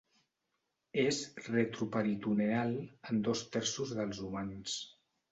És retroperitoneal en dos terços dels humans.